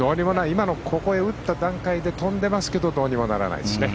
今の、ここへ打った段階で飛んでますけどどうにもならないですね。